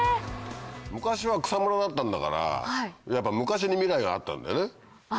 昔は草むらだったんだからやっぱ昔に未来があったんだよね。